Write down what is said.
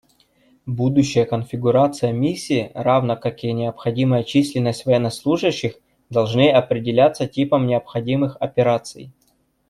Будущая конфигурация Миссии, равно как и необходимая численность военнослужащих, должны определяться типом необходимых операций.